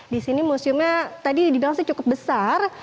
di sini museumnya tadi dibilang sih cukup besar